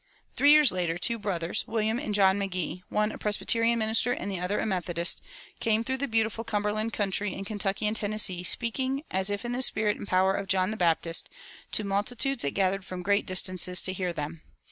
Three years later two brothers, William and John McGee, one a Presbyterian minister and the other a Methodist, came through the beautiful Cumberland country in Kentucky and Tennessee, speaking, as if in the spirit and power of John the Baptist, to multitudes that gathered from great distances to hear them.